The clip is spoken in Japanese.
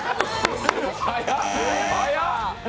早っ！